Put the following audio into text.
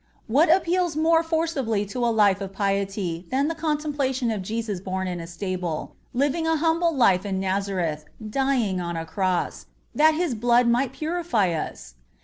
What appeals more forcibly to a life of piety than the contemplation of Jesus born in a stable, living an humble life in Nazareth, dying on a cross, that His blood might purify us?